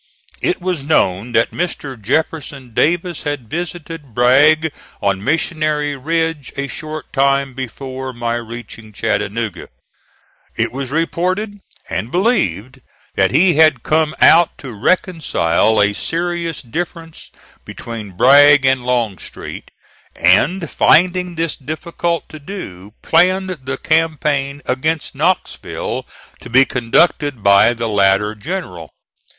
It was known that Mr. Jefferson Davis had visited Bragg on Missionary Ridge a short time before my reaching Chattanooga. It was reported and believed that he had come out to reconcile a serious difference between Bragg and Longstreet, and finding this difficult to do, planned the campaign against Knoxville, to be conducted by the latter general.